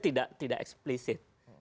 itu tidak eksplisit